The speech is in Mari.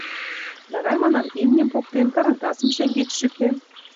«Давай, манам, имньым поктем, тарантасым шеҥгеч шӱкем.